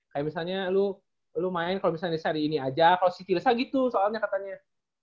kayak misalnya lu lo main kalau misalnya seri ini aja kalau siti rasa gitu soalnya katanya